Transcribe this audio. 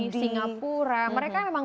singapura mereka memang